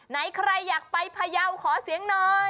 ไหนใครอยากไปพยาวขอเสียงหน่อย